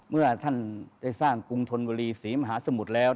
เมื่อท่านได้สร้างกรุงธนบุรีศรีมหาสมุทรแล้ว